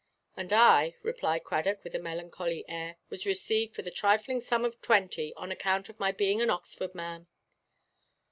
"And I," replied Cradock, with a melancholy air, "was received for the trifling sum of twenty, on account of my being an Oxford man."